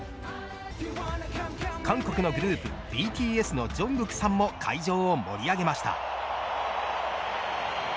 韓国のグループＢＴＳのジョングクさんも会場を盛り上げました。